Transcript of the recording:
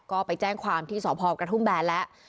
ก็ไปแจ้งความที่สพกระทุ่มแบนแล้ว